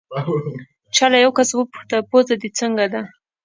چا له یو کس وپوښتل: پوزه دې څنګه ده؟